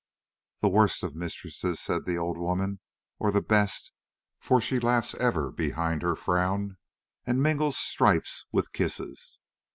"The worst of mistresses," said the old woman, "or the best, for she laughs ever behind her frown and mingles stripes with kisses."